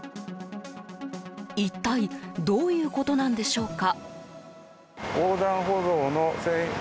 一体どういうことなんでしょうか？